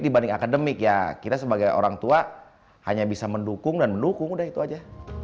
dibanding akademik ya kita sebagai orang tua hanya bisa mendukung dan mendukung udah itu aja